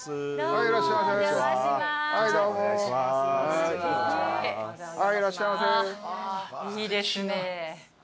いいですね。